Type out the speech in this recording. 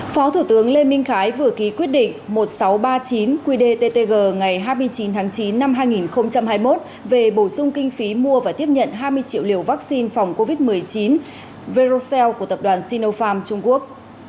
phó thủ tướng lê minh khái vừa ký quyết định một nghìn sáu trăm ba mươi chín qdttg ngày hai mươi chín tháng chín năm hai nghìn hai mươi một về bổ sung kinh phí mua và tiếp nhận hai mươi triệu liều vaccine phòng covid một mươi chín verocell của tập đoàn sinopharm trung quốc